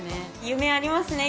夢ありますね